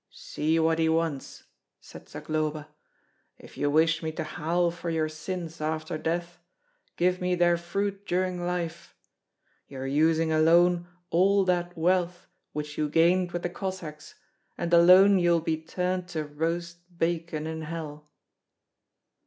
See what he wants!" said Zagloba. "If you wish me to howl for your sins after death, give me their fruit during life. You are using alone all that wealth which you gained with the Cossacks, and alone you will be turned to roast bacon in hell."